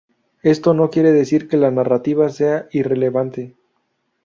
Esto no quiere decir que la narrativa sea irrelevante.